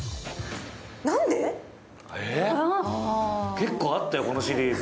結構あったよ、このシリーズ。